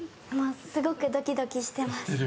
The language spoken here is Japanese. すごくドキドキしてますはい。